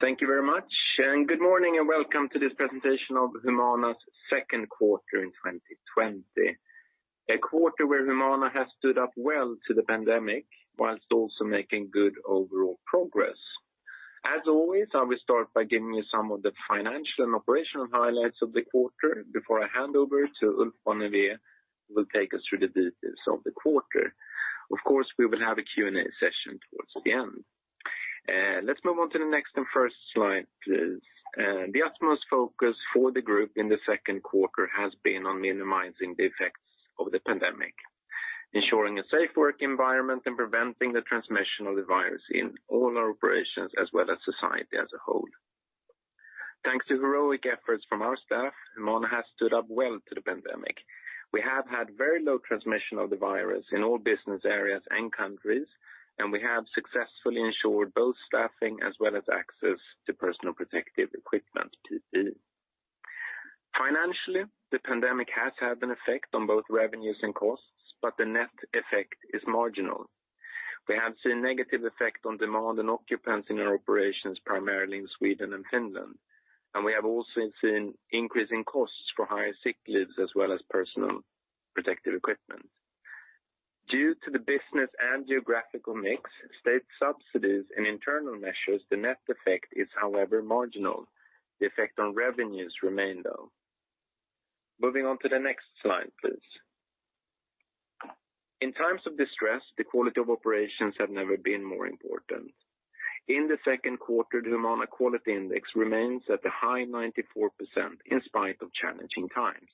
Thank you very much. Good morning and welcome to this presentation of Humana's second quarter in 2020. A quarter where Humana has stood up well to the pandemic whilst also making good overall progress. As always, I will start by giving you some of the financial and operational highlights of the quarter before I hand over to Ulf Bonnevier, who will take us through the details of the quarter. Of course, we will have a Q&A session towards the end. Let's move on to the next and first slide, please. The utmost focus for the group in the second quarter has been on minimizing the effects of the pandemic, ensuring a safe work environment and preventing the transmission of the virus in all our operations as well as society as a whole. Thanks to heroic efforts from our staff, Humana has stood up well to the pandemic. We have had very low transmission of the virus in all business areas and countries. We have successfully ensured both staffing as well as access to personal protective equipment, PPE. Financially, the pandemic has had an effect on both revenues and costs, but the net effect is marginal. We have seen negative effect on demand and occupancy in our operations, primarily in Sweden and Finland. We have also seen increasing costs for higher sick leaves as well as personal protective equipment. Due to the business and geographical mix, state subsidies and internal measures, the net effect is, however, marginal. The effect on revenues remain, though. Moving on to the next slide, please. In times of distress, the quality of operations have never been more important. In the second quarter, the Humana quality index remains at a high 94% in spite of challenging times.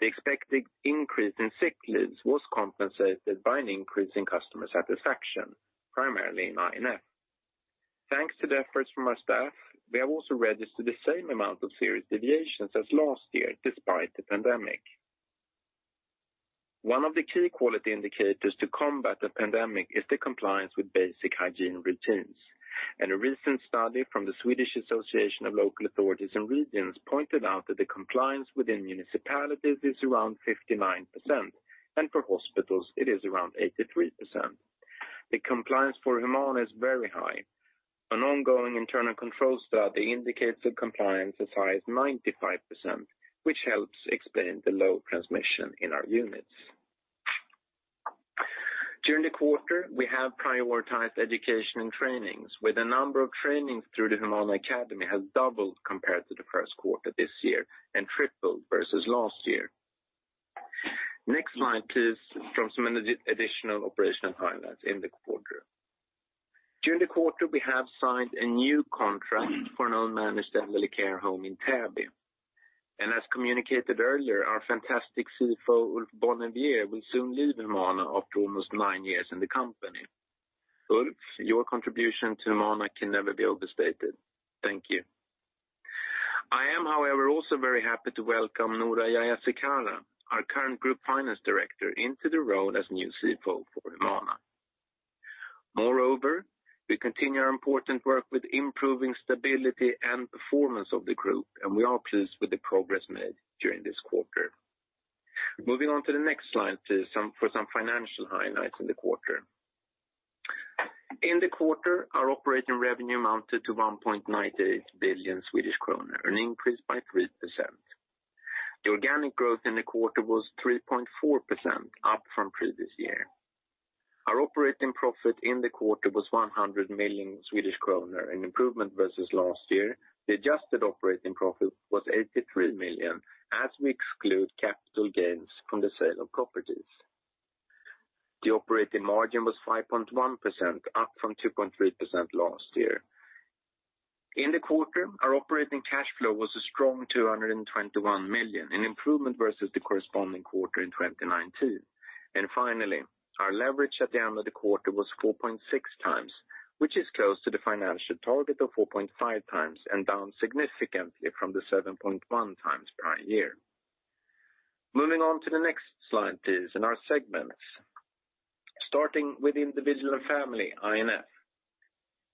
The expected increase in sick leaves was compensated by an increase in customer satisfaction, primarily in I&F. Thanks to the efforts from our staff, we have also registered the same amount of serious deviations as last year despite the pandemic. One of the key quality indicators to combat the pandemic is the compliance with basic hygiene routines. A recent study from the Swedish Association of Local Authorities and Regions pointed out that the compliance within municipalities is around 59%, and for hospitals, it is around 83%. The compliance for Humana is very high. An ongoing internal control study indicates a compliance as high as 95%, which helps explain the low transmission in our units. During the quarter, we have prioritized education and trainings with a number of trainings through the Humana Academy has doubled compared to the first quarter this year and tripled versus last year. Next slide, please. Shows some additional operational highlights in the quarter. During the quarter, we have signed a new contract for an unmanaged elderly care home in Täby. As communicated earlier, our fantastic CFO, Ulf Bonnevier, will soon leave Humana after almost nine years in the company. Ulf, your contribution to Humana can never be overstated. Thank you. I am, however, also very happy to welcome Noora Jayasekara, our current group finance director, into the role as new CFO for Humana. Moreover, we continue our important work with improving stability and performance of the group. We are pleased with the progress made during this quarter. Moving on to the next slide, please, for some financial highlights in the quarter. In the quarter, our operating revenue amounted to 1.98 billion Swedish kronor, an increase by 3%. The organic growth in the quarter was 3.4% up from previous year. Our operating profit in the quarter was 100 million Swedish kronor, an improvement versus last year. The adjusted operating profit was 83 million as we exclude capital gains from the sale of properties. The operating margin was 5.1%, up from 2.3% last year. In the quarter, our operating cash flow was a strong 221 million, an improvement versus the corresponding quarter in 2019. Finally, our leverage at the end of the quarter was 4.6 times, which is close to the financial target of 4.5 times and down significantly from the 7.1 times prior year. Moving on to the next slide, please, in our segments. Starting with individual and family, I&F.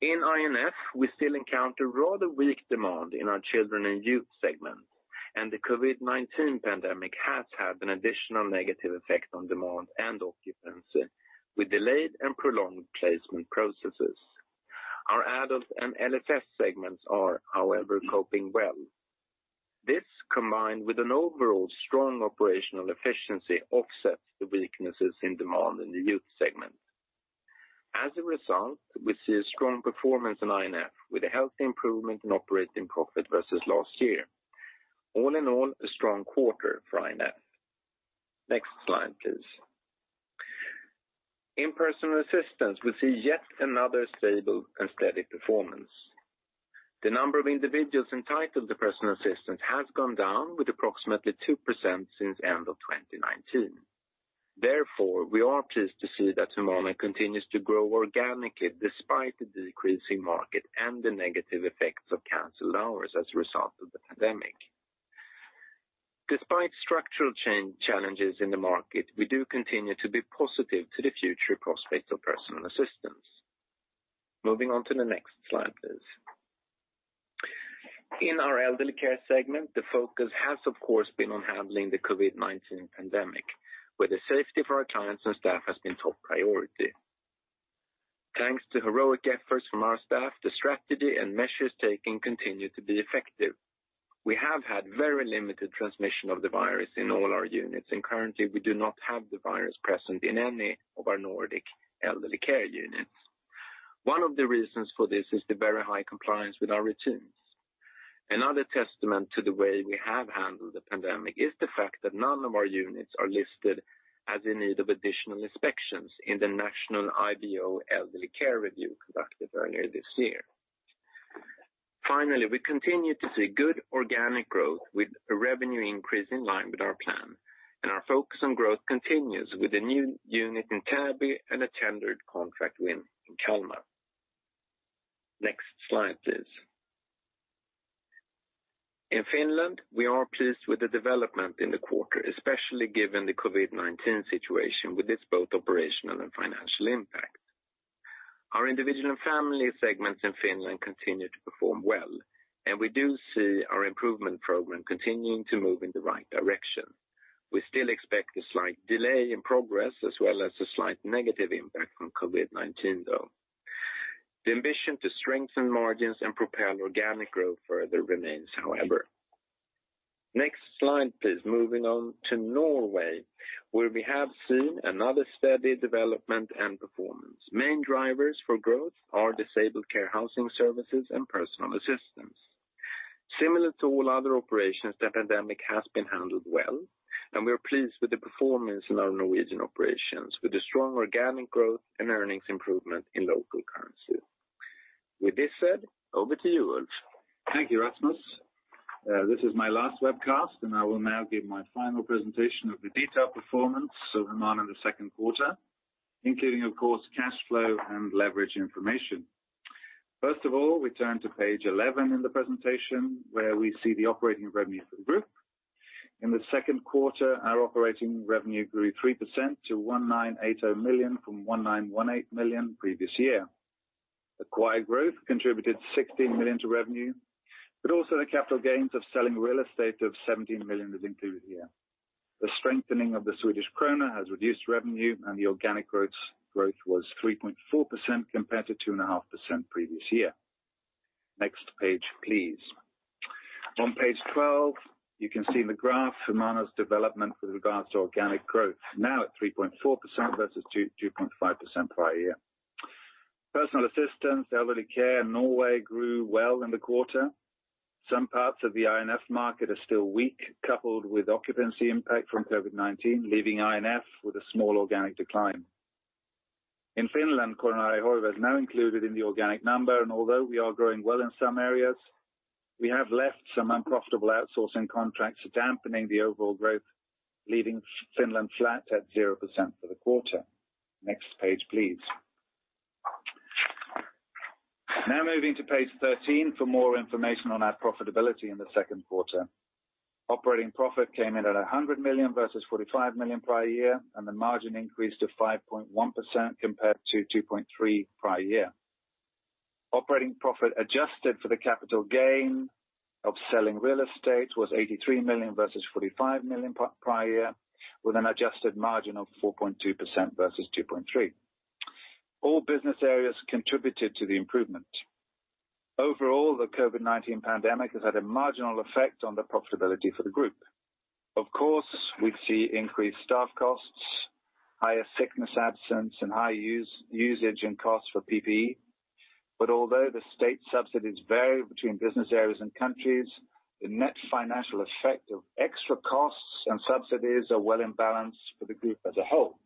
In I&F, we still encounter rather weak demand in our children and youth segment, and the COVID-19 pandemic has had an additional negative effect on demand and occupancy with delayed and prolonged placement processes. Our adult and LSS segments are, however, coping well. This, combined with an overall strong operational efficiency, offsets the weaknesses in demand in the youth segment. As a result, we see a strong performance in I&F with a healthy improvement in operating profit versus last year. All in all, a strong quarter for I&F. Next slide, please. In personal assistance, we see yet another stable and steady performance. The number of individuals entitled to personal assistance has gone down with approximately 2% since end of 2019. Therefore, we are pleased to see that Humana continues to grow organically despite the decreasing market and the negative effects of canceled hours as a result of the pandemic. Despite structural challenges in the market, we do continue to be positive to the future prospects of personal assistance. Moving on to the next slide, please. In our elderly care segment, the focus has, of course, been on handling the COVID-19 pandemic, where the safety for our clients and staff has been top priority. Thanks to heroic efforts from our staff, the strategy and measures taken continue to be effective. We have had very limited transmission of the virus in all our units, and currently we do not have the virus present in any of our Nordic elderly care units. One of the reasons for this is the very high compliance with our routines. Another testament to the way we have handled the pandemic is the fact that none of our units are listed as in need of additional inspections in the national IVO elderly care review conducted earlier this year. Finally, we continue to see good organic growth with a revenue increase in line with our plan. Our focus on growth continues with a new unit in Täby and a tendered contract win in Kalmar. Next slide, please. In Finland, we are pleased with the development in the quarter, especially given the COVID-19 situation with its both operational and financial impact. Our individual and family segments in Finland continue to perform well, and we do see our improvement program continuing to move in the right direction. We still expect a slight delay in progress as well as a slight negative impact from COVID-19, though. The ambition to strengthen margins and propel organic growth further remains, however. Next slide, please. Moving on to Norway, where we have seen another steady development and performance. Main drivers for growth are disabled care housing services and personal assistance. Similar to all other operations, the pandemic has been handled well, and we are pleased with the performance in our Norwegian operations, with a strong organic growth and earnings improvement in local currency. With this said, over to you, Ulf. Thank you, Rasmus. This is my last webcast, and I will now give my final presentation of the detailed performance of Humana in the second quarter, including, of course, cash flow and leverage information. First of all, we turn to page 11 in the presentation where we see the operating revenue for the group. In the second quarter, our operating revenue grew 3% to 1,980 million from 1,918 million previous year. Acquired growth contributed 16 million to revenue, but also the capital gains of selling real estate of 17 million is included here. The strengthening of the Swedish krona has reduced revenue, and the organic growth was 3.4% compared to 2.5% previous year. Next page, please. On page 12, you can see in the graph Humana's development with regards to organic growth. Now at 3.4% versus 2.5% prior year. Personal assistance, elderly care, Norway grew well in the quarter. Some parts of the I&F market are still weak, coupled with occupancy impact from COVID-19, leaving I&F with a small organic decline. In Finland, Coronaria is now included in the organic number, and although we are growing well in some areas, we have left some unprofitable outsourcing contracts dampening the overall growth, leaving Finland flat at 0% for the quarter. Next page, please. Now moving to page 13 for more information on our profitability in the second quarter. Operating profit came in at 100 million versus 45 million prior year, and the margin increased to 5.1% compared to 2.3% prior year. Operating profit adjusted for the capital gain of selling real estate was 83 million versus 45 million prior year, with an adjusted margin of 4.2% versus 2.3%. All business areas contributed to the improvement. Overall, the COVID-19 pandemic has had a marginal effect on the profitability for the group. Of course, we see increased staff costs, higher sickness absence, and high usage in costs for PPE. Although the state subsidies vary between business areas and countries, the net financial effect of extra costs and subsidies are well in balance for the group as a whole.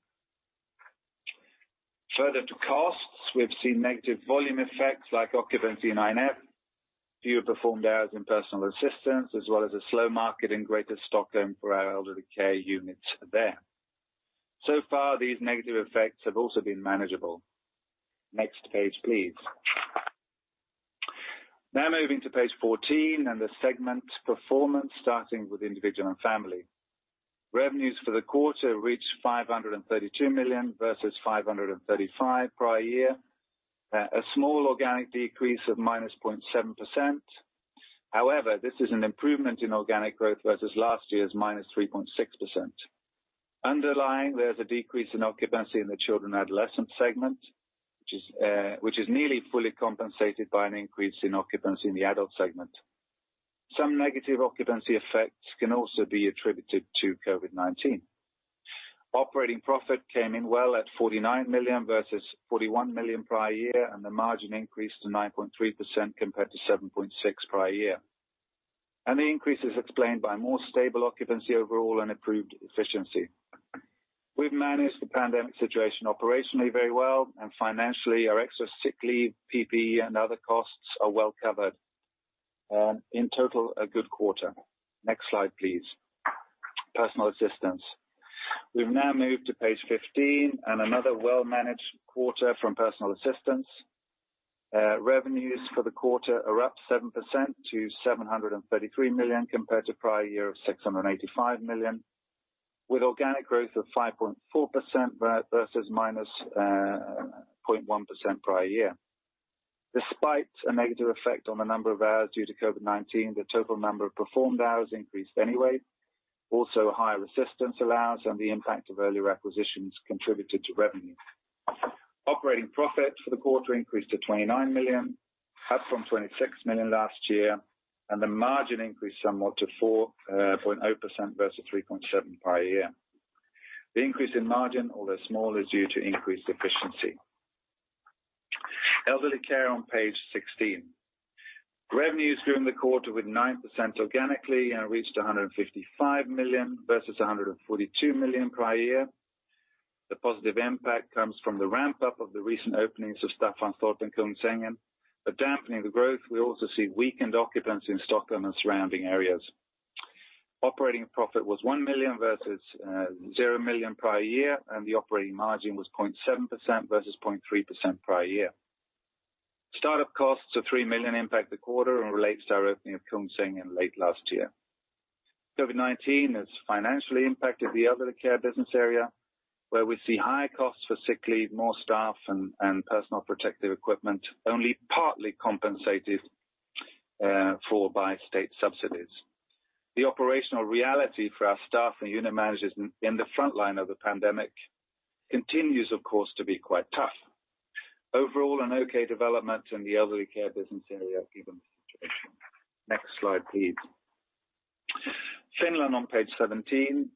Further to costs, we have seen negative volume effects like occupancy in INF, fewer performed hours in personal assistance, as well as a slow market in greater Stockholm for our elderly care units there. So far, these negative effects have also been manageable. Next page, please. Now moving to page 14 and the segment performance, starting with individual and family. Revenues for the quarter reached 532 million versus 535 million prior year. A small organic decrease of -0.7%. However, this is an improvement in organic growth versus last year's -0.36%. Underlying, there is a decrease in occupancy in the children adolescent segment which is nearly fully compensated by an increase in occupancy in the adult segment. Some negative occupancy effects can also be attributed to COVID-19. Operating profit came in well at 49 million versus 41 million prior year. The margin increased to 9.3% compared to 7.6% prior year. The increase is explained by more stable occupancy overall and improved efficiency. We have managed the pandemic situation operationally very well and financially our extra sick leave, PPE, and other costs are well covered. In total, a good quarter. Next slide, please. Personal assistance. We have now moved to page 15 and another well-managed quarter from personal assistance. Revenues for the quarter are up 7% to 733 million compared to prior year of 685 million. Organic growth of 5.4% versus -0.1% prior year. Despite a negative effect on the number of hours due to COVID-19, the total number of performed hours increased anyway. Higher assistance allowance and the impact of early acquisitions contributed to revenue. Operating profit for the quarter increased to 29 million, up from 26 million last year. The margin increased somewhat to 4.0% versus 3.7% prior year. The increase in margin, although small, is due to increased efficiency. Elderly care on page 16. Revenues grew in the quarter with 9% organically and reached 155 million versus 142 million prior year. The positive impact comes from the ramp-up of the recent openings of Staffanstorp and Kungsängen. Dampening the growth, we also see weakened occupancy in Stockholm and surrounding areas. Operating profit was 1 million versus 0 million prior year. The operating margin was 0.7% versus 0.3% prior year. Start-up costs of 3 million impact the quarter and relates to our opening of Kungsängen late last year. COVID-19 has financially impacted the elderly care business area, where we see higher costs for sick leave, more staff, and personal protective equipment, only partly compensated for by state subsidies. The operational reality for our staff and unit managers in the front line of the pandemic continues, of course, to be quite tough. Overall, an okay development in the elderly care business area given the situation. Next slide, please. Finland on page 17.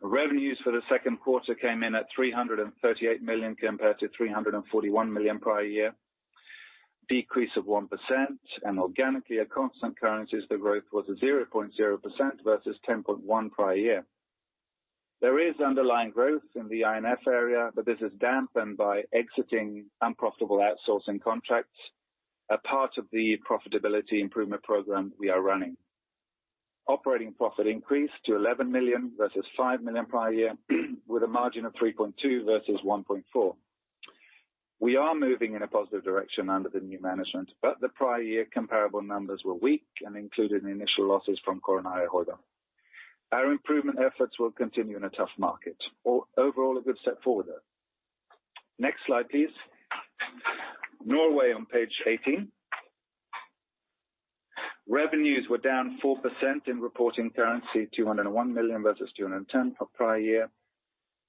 Revenues for the second quarter came in at 338 million compared to 341 million prior year. Decrease of 1%. Organically at constant currencies, the growth was 0.0% versus 10.1% prior year. There is underlying growth in the INF area. This is dampened by exiting unprofitable outsourcing contracts, a part of the profitability improvement program we are running. Operating profit increased to 11 million versus 7 million prior year, with a margin of 3.2% versus 1.4%. We are moving in a positive direction under the new management. The prior year comparable numbers were weak and included initial losses from Coronaria Oy. Our improvement efforts will continue in a tough market. Overall, a good step forward, though. Next slide, please. Norway on page 18. Revenues were down 4% in reporting currency, 201 million versus 210 million for prior year.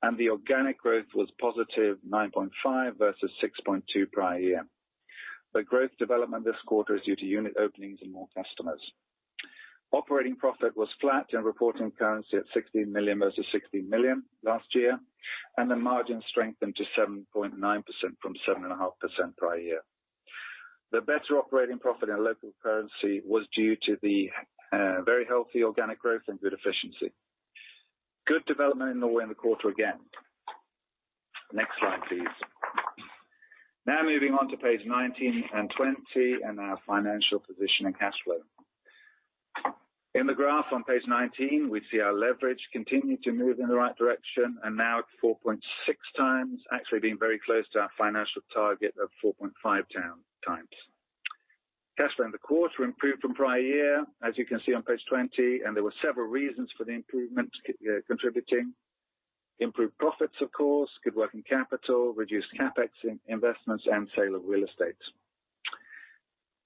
The organic growth was positive 9.5% versus 6.2% prior year. The growth development this quarter is due to unit openings and more customers. Operating profit was flat in reporting currency at 16 million versus 16 million last year. The margin strengthened to 7.9% from 7.5% prior year. The better operating profit in local currency was due to the very healthy organic growth and good efficiency. Good development in Norway in the quarter again. Next slide, please. Moving on to page 19 and 20 and our financial position and cash flow. In the graph on page 19, we see our leverage continue to move in the right direction and now at 4.6 times, actually being very close to our financial target of 4.5 times. Cash flow in the quarter improved from prior year, as you can see on page 20, and there were several reasons for the improvement contributing. Improved profits, of course, good working capital, reduced CapEx investments, and sale of real estate.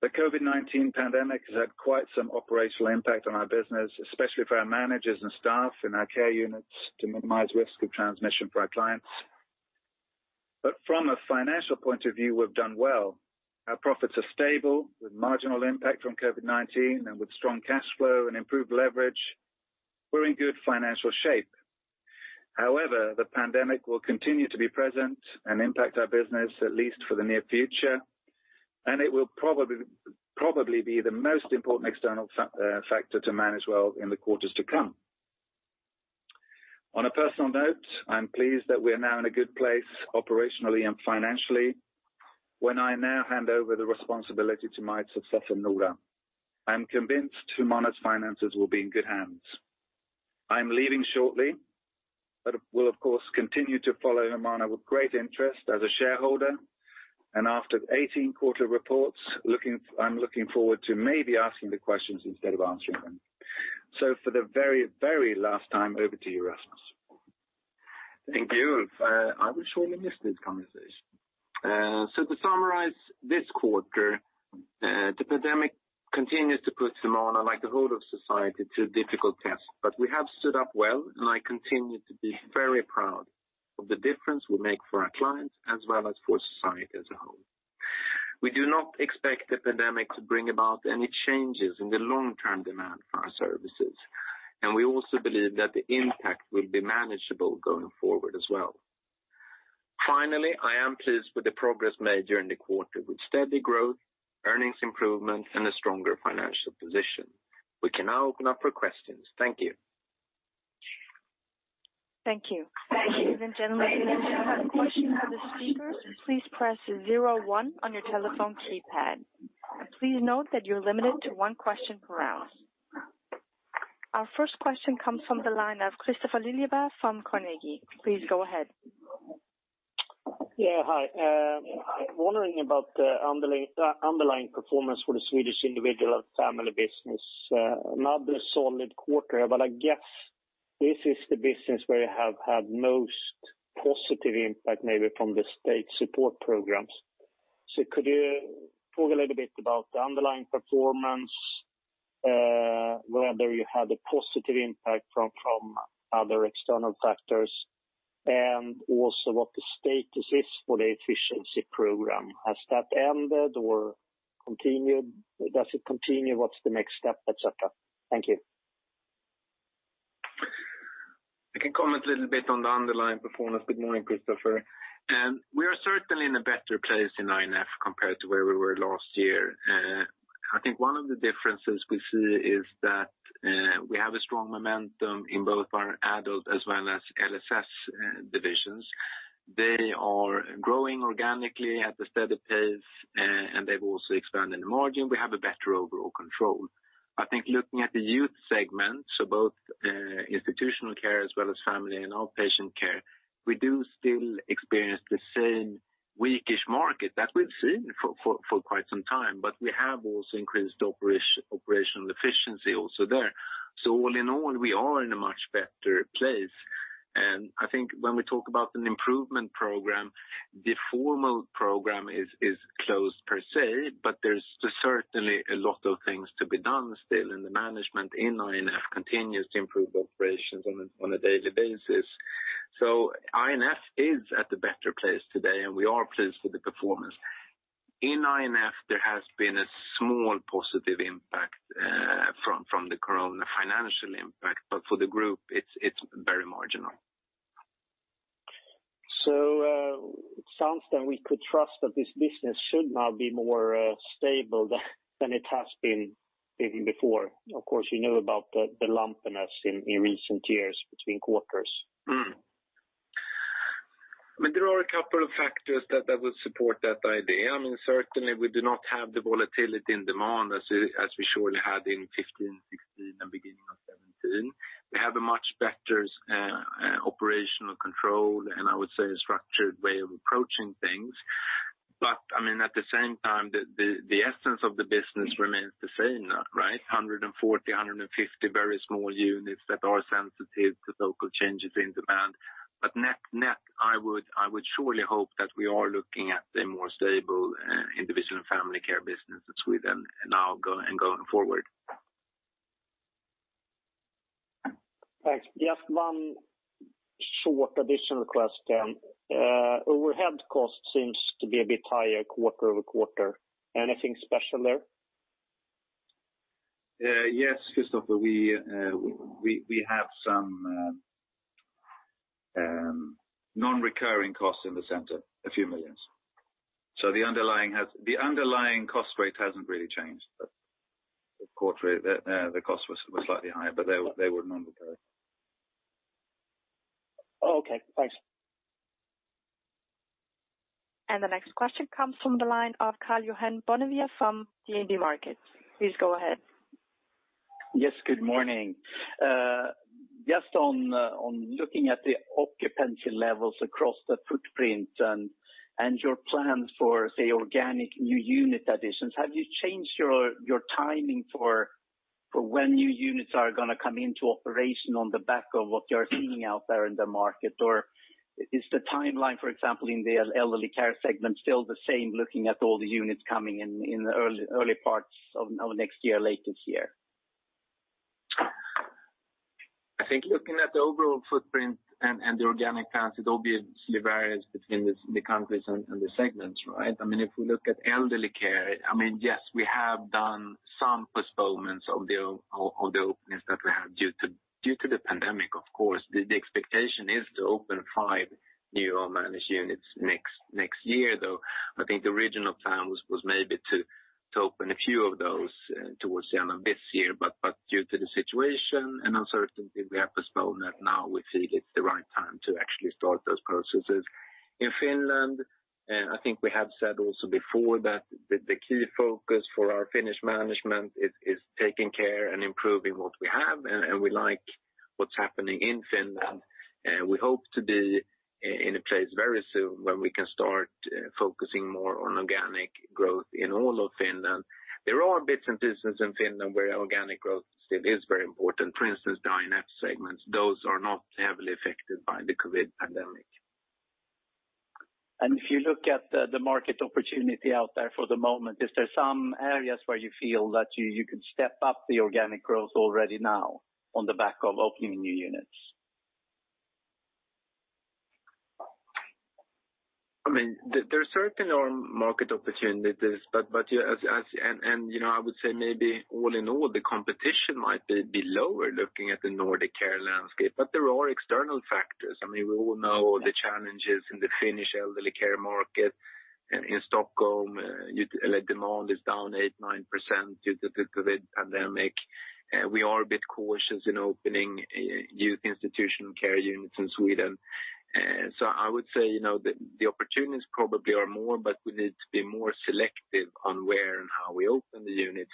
The COVID-19 pandemic has had quite some operational impact on our business, especially for our managers and staff in our care units to minimize risk of transmission for our clients. From a financial point of view, we've done well. Our profits are stable with marginal impact from COVID-19, with strong cash flow and improved leverage, we're in good financial shape. However, the pandemic will continue to be present and impact our business at least for the near future, it will probably be the most important external factor to manage well in the quarters to come. On a personal note, I'm pleased that we are now in a good place operationally and financially. When I now hand over the responsibility to my successor, Noora, I am convinced Humana's finances will be in good hands. I'm leaving shortly, will of course continue to follow Humana with great interest as a shareholder. After 18 quarter reports, I'm looking forward to maybe asking the questions instead of answering them. For the very last time, over to you, Rasmus. Thank you. I will surely miss this conversation. To summarize this quarter, the pandemic continues to put Humana, like the whole of society, to a difficult test. We have stood up well, I continue to be very proud of the difference we make for our clients as well as for society as a whole. We do not expect the pandemic to bring about any changes in the long-term demand for our services, we also believe that the impact will be manageable going forward as well. Finally, I am pleased with the progress made during the quarter with steady growth, earnings improvement, and a stronger financial position. We can now open up for questions. Thank you. Thank you. Thank you. Ladies and gentlemen, if you have a question for the speakers, please press 01 on your telephone keypad. Please note that you're limited to one question per house. Our first question comes from the line of Kristofer Liljeberg from Carnegie. Please go ahead. Yeah. Hi. I'm wondering about the underlying performance for the Swedish individual family business. Another solid quarter, I guess this is the business where you have had most positive impact, maybe from the state support programs. Could you talk a little bit about the underlying performance, whether you had a positive impact from other external factors, and also what the status is for the efficiency program. Has that ended or does it continue? What's the next step, et cetera? Thank you. I can comment a little bit on the underlying performance. Good morning, Kristofer. We are certainly in a better place in INF compared to where we were last year. I think one of the differences we see is that we have a strong momentum in both our adult as well as LSS divisions. They are growing organically at a steady pace, and they've also expanded margin. We have a better overall control. I think looking at the youth segment, so both institutional care as well as family and outpatient care, we do still experience the same weakish market that we've seen for quite some time. We have also increased operational efficiency also there. All in all, we are in a much better place. I think when we talk about an improvement program, the formal program is closed per se. There's certainly a lot of things to be done still. The management in INF continues to improve operations on a daily basis. INF is at a better place today. We are pleased with the performance. In INF, there has been a small positive impact from the corona financial impact. For the group, it's very marginal. It sounds then we could trust that this business should now be more stable than it has been even before. Of course, you know about the lumpiness in recent years between quarters. There are a couple of factors that would support that idea. Certainly we do not have the volatility in demand as we surely had in 2015, 2016, and beginning of 2017. We have a much better operational control. I would say a structured way of approaching things. At the same time, the essence of the business remains the same now. 140, 150 very small units that are sensitive to local changes in demand. Net, I would surely hope that we are looking at a more stable individual family care business in Sweden now and going forward. Thanks. Just one short additional question. Overhead cost seems to be a bit higher quarter-over-quarter. Anything special there? Yes, Kristofer. We have some non-recurring costs in the center, a few million. The underlying cost rate hasn't really changed. The cost was slightly higher, but they were non-recurring. Okay, thanks. The next question comes from the line of Karl-Johan Bonnevier from DNB Markets. Please go ahead. Yes, good morning. Just on looking at the occupancy levels across the footprint and your plans for, say, organic new unit additions, have you changed your timing for when new units are going to come into operation on the back of what you're seeing out there in the market? Or is the timeline, for example, in the elderly care segment still the same, looking at all the units coming in the early parts of next year, late this year? I think looking at the overall footprint and the organic plans, it obviously varies between the countries and the segments. If we look at elderly care, yes, we have done some postponements of the openings that we have due to the pandemic, of course. The expectation is to open five new managed units next year, though. I think the original plan was maybe to open a few of those towards the end of this year. Due to the situation and uncertainty, we have postponed that. Now we feel it's the right time to actually start those processes. In Finland, I think we have said also before that the key focus for our Finnish management is taking care and improving what we have, and we like what's happening in Finland. We hope to be in a place very soon where we can start focusing more on organic growth in all of Finland. There are bits and pieces in Finland where organic growth still is very important. For instance, the INF segments. Those are not heavily affected by the COVID pandemic. If you look at the market opportunity out there for the moment, is there some areas where you feel that you could step up the organic growth already now on the back of opening new units? There certainly are market opportunities. I would say maybe all in all, the competition might be lower looking at the Nordic care landscape. There are external factors. We all know the challenges in the Finnish elderly care market. In Stockholm, demand is down 8%, 9% due to the COVID pandemic. We are a bit cautious in opening youth institutional care units in Sweden. I would say the opportunities probably are more, but we need to be more selective on where and how we open the units.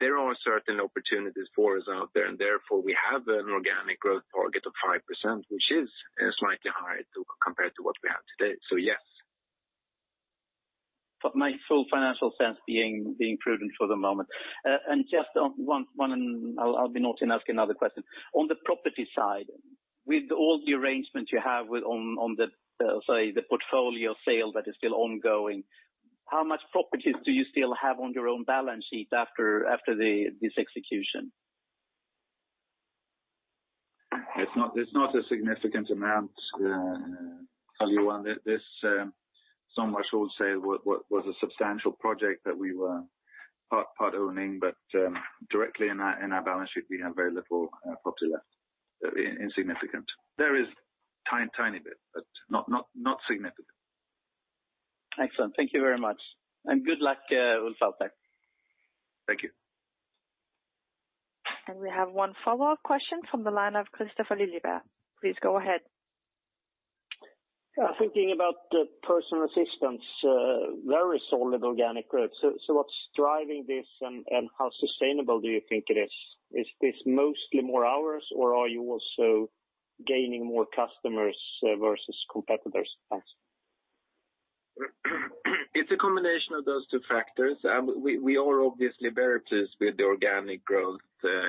There are certain opportunities for us out there, and therefore we have an organic growth target of 5%, which is slightly higher compared to what we have today. Yes. My full financial sense being prudent for the moment. Just one, I'll be naughty and ask another question. On the property side, with all the arrangements you have with on the, say, the portfolio sale that is still ongoing, how much properties do you still have on your own balance sheet after this execution? It's not a significant amount, Karl-Johan. This Sommarsol sale was a substantial project that we were part-owning, but directly in our balance sheet, we have very little property left. Insignificant. There is a tiny bit, but not significant. Excellent. Thank you very much. Good luck with that. Thank you. We have one follow-up question from the line of Kristofer Liljeberg. Please go ahead. Thinking about the personal assistance, very solid organic growth. What's driving this and how sustainable do you think it is? Is this mostly more hours or are you also gaining more customers versus competitors? Thanks. It's a combination of those two factors. We are obviously very pleased with the organic growth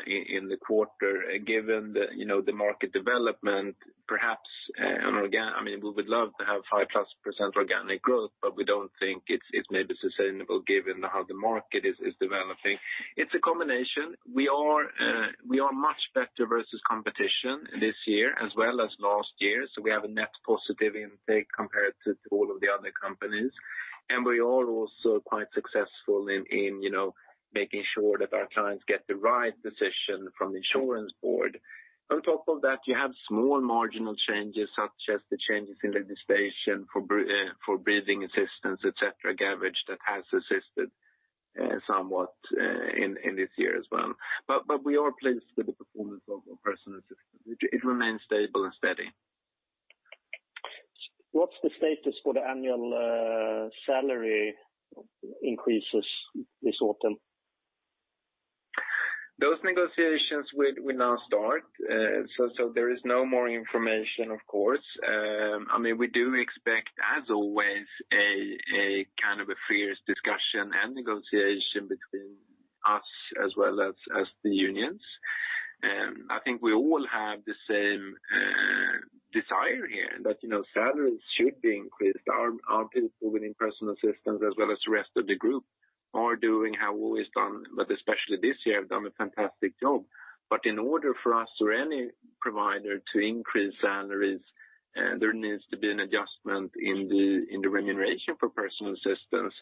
in the quarter, given the market development. We would love to have five plus percent organic growth, but we don't think it's maybe sustainable given how the market is developing. It's a combination. We are much better versus competition this year as well as last year. We have a net positive intake compared to all of the other companies. We are also quite successful in making sure that our clients get the right decision from the insurance board. On top of that, you have small marginal changes such as the changes in legislation for breathing assistance, et cetera, gavage that has assisted somewhat in this year as well. We are pleased with the performance of personal assistance. It remains stable and steady. What's the status for the annual salary increases this autumn? Those negotiations will now start. There is no more information, of course. We do expect, as always, a fierce discussion and negotiation between us as well as the unions. I think we all have the same desire here that salaries should be increased. Our people within personal assistance as well as the rest of the group are doing, have always done, but especially this year, have done a fantastic job. In order for us or any provider to increase salaries, there needs to be an adjustment in the remuneration for personal assistance.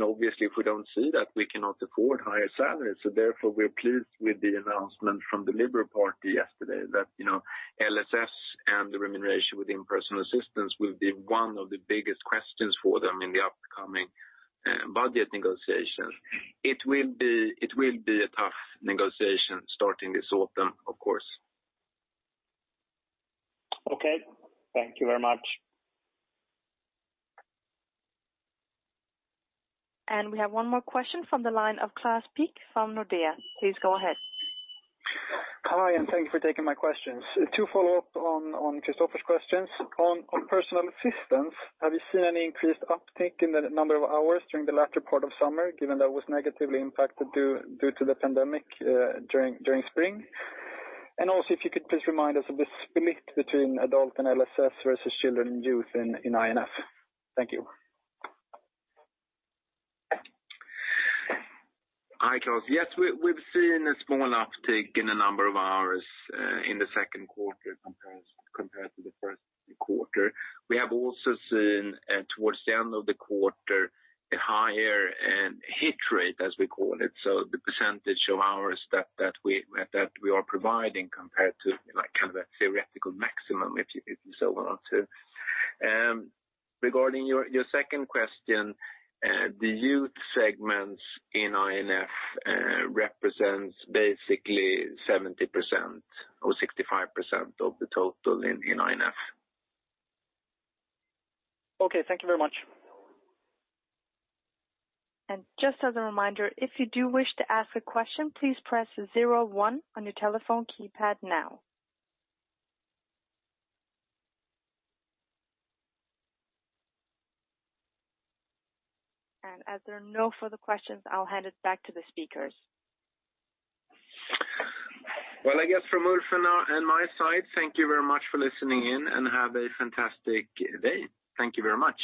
Obviously, if we don't see that, we cannot afford higher salaries. Therefore, we are pleased with the announcement from the Liberal Party yesterday that LSS and the remuneration within personal assistance will be one of the biggest questions for them in the upcoming budget negotiations. It will be a tough negotiation starting this autumn, of course. Okay. Thank you very much. We have one more question from the line of Klas Pyk from Nordea. Please go ahead. Hi, thank you for taking my questions. Two follow-up on Kristofer's questions. On personal assistance, have you seen any increased uptick in the number of hours during the latter part of summer, given that was negatively impacted due to the pandemic during spring? Also, if you could please remind us of the split between adult and LSS versus children and youth in INF. Thank you. Hi, Clas. Yes, we've seen a small uptick in the number of hours in the second quarter compared to the first quarter. We have also seen towards the end of the quarter, a higher hit rate, as we call it. The percentage of hours that we are providing compared to a theoretical maximum, if you so want to. Regarding your second question, the youth segments in INF represents basically 70% or 65% of the total in INF. Okay. Thank you very much. Just as a reminder, if you do wish to ask a question, please press 01 on your telephone keypad now. As there are no further questions, I'll hand it back to the speakers. Well, I guess from Ulf and my side, thank you very much for listening in and have a fantastic day. Thank you very much.